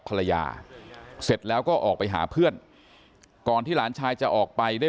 ภรรยาเสร็จแล้วก็ออกไปหาเพื่อนก่อนที่หลานชายจะออกไปได้